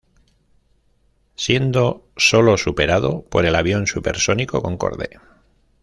Siendo solo superado por el avión supersónico Concorde.